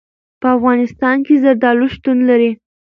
په افغانستان کې زردالو شتون لري.